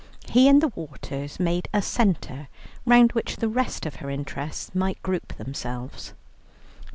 He and the waters made a centre round which the rest of her interests might group themselves.